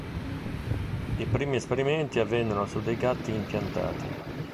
I primi esperimenti avvennero su dei gatti impiantati.